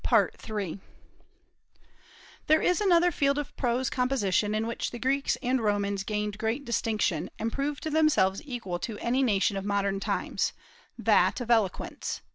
There is another field of prose composition in which the Greeks and Romans gained great distinction, and proved themselves equal to any nation of modern times, that of eloquence.